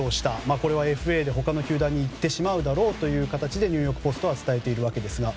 これは、ＦＡで他の球団に行ってしまうだろうという形でニューヨーク・ポストは伝えているわけですが。